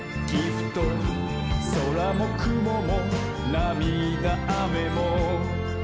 「そらもくももなみだあめも」